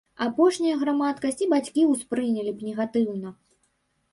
Апошняе грамадскасць і бацькі ўспрынялі б негатыўна.